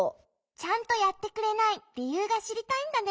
ちゃんとやってくれない理由がしりたいんだね？